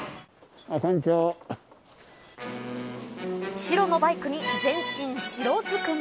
白のバイクに全身白ずくめ。